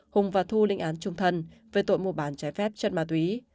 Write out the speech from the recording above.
hùng và thu linh án trung thân về tội mua bán trái phép chất ma túy